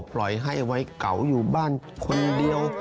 ปล่อยให้ไว้เก่าอยู่บ้านคนเดียว